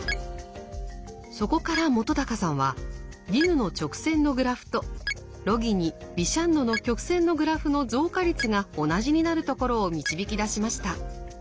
そこから本さんはディヌの直線のグラフとロギニビシャンノの曲線のグラフの増加率が同じになるところを導き出しました。